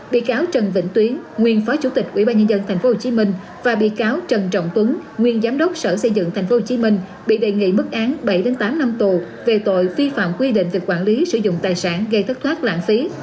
bị cáo trần vĩnh tuyến nguyên phó chủ tịch ubnd tp hcm và bị cáo trần trọng tuấn nguyên giám đốc sở xây dựng tp hcm bị đề nghị mức án bảy tám năm tù về tội vi phạm quy định về quản lý sử dụng tài sản gây thất thoát lãng phí